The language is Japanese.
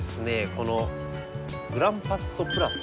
この「グランパッソプラス」。